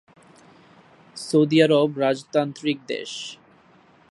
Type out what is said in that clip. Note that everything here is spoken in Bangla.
সৌদি আরব রাজতান্ত্রিক দেশ।